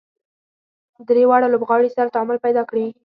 درې واړه لوبغاړي سره تعامل پیدا کړي.